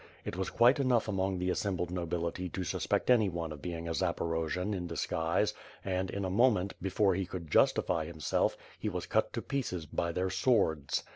It was quite enough among the assembled nobility to suspect anyone of being a Zaporojian in disguise and, in a moment, before he could justify himself, he was cut to pieces by their swords.